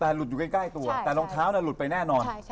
แต่หลุดอยู่ใกล้ตัวแต่รองเท้าหลุดไปแน่นอน